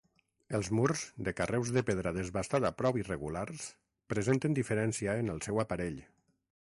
Els murs, de carreus de pedra desbastada prou irregulars, presenten diferència en el seu aparell.